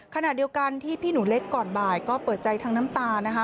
ขณะเดียวกันที่พี่หนูเล็กก่อนบ่ายก็เปิดใจทั้งน้ำตานะคะ